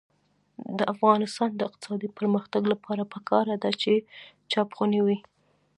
د افغانستان د اقتصادي پرمختګ لپاره پکار ده چې چاپخونې وي.